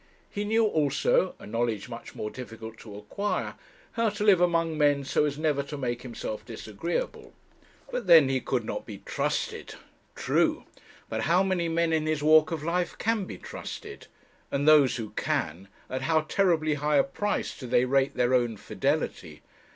He knew also a knowledge much more difficult to acquire how to live among men so as never to make himself disagreeable. But then he could not be trusted! True. But how many men in his walk of life can be trusted? And those who can at how terribly high a price do they rate their own fidelity!